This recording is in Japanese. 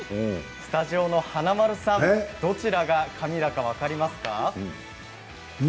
スタジオの華丸さんどちらが紙だか分かりますか？